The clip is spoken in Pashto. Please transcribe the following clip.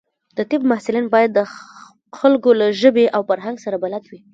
د طب محصلین باید د خلکو له ژبې او فرهنګ سره بلد وي.